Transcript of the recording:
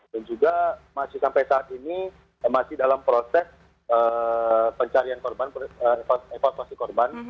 dan juga masih sampai saat ini masih dalam proses pencarian korban evaluasi korban